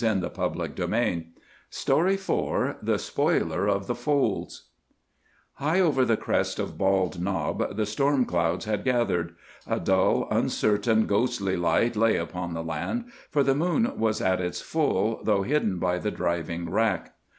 THE SPOILER OF THE FOLDS THE SPOILER OF THE FOLDS HIGH over the crest of Bald Knob the storm clouds had gathered. A dull, uncertain, ghostly light lay upon the land, for the moon was at its full, though hidden by the driving wrack.